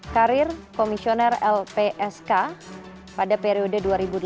karir komisioner lpsk pada periode dua ribu delapan